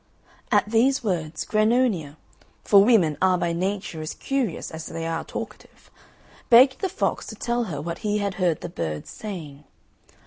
At these words Grannonia for women are by nature as curious as they are talkative begged the fox to tell her what he had heard the birds saying.